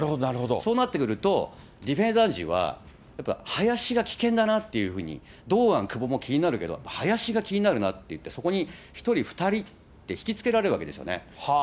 そうなってくると、ディフェンダー陣は、林が危険だなというふうに、堂安、久保も気になるけど、林が気になるなっていって、そこに１人、２人って引きつけられるわけですよね。